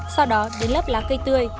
sau đó đến lớp lá cây tươi